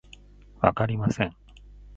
わかりません